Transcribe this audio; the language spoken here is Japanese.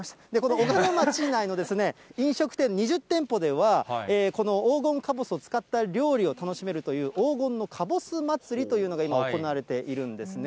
小鹿野町内の飲食店２０店舗では、この黄金かぼすを使った料理を楽しめるという、黄金のかぼす祭というのが今、行われているんですね。